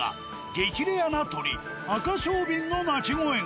激レアな鳥アカショウビンの鳴き声が。